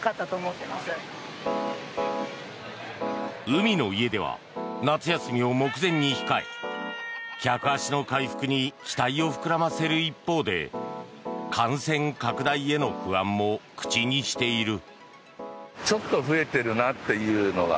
海の家では夏休みを目前に控え客足の回復に期待を膨らませる一方で感染拡大への不安も口にしている。